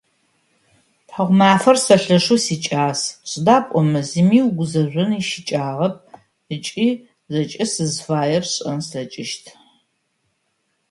Тхьаумафэр сэ лъэшэу сикӏас, сыда пӏомэ зыми угузэжъон ищыкӏагъэп ыкӏи зэкӏэ сызыфаер сшӏэн слъэкӏыщт.